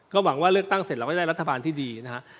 หวังว่าเลือกตั้งเสร็จเราก็ได้รัฐบาลที่ดีนะฮะ